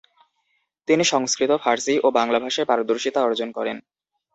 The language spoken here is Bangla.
তিনি সংস্কৃত, ফারসি ও বাংলা ভাষায় পারদর্শিতা অর্জন করেন।